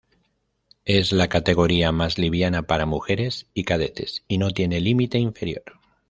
Es la categoría más liviana para mujeres y cadetes, y no tiene límite inferior.